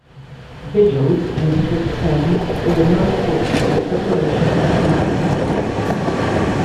Vigils, in a strict sense, were night-watches in preparation for the feast.